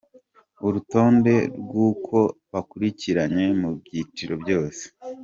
Urutonde rw’uko bakurikiranye mu byiciro byose.